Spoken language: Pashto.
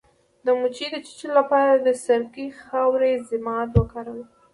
د مچۍ د چیچلو لپاره د سرکې او خاورې ضماد وکاروئ